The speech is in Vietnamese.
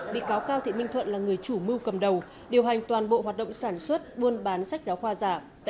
bị cáo cao thị minh thuận là người chủ mưu cầm đầu điều hành toàn bộ hoạt động sản xuất